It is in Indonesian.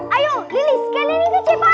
ayo lili sekian lili kecepatan lah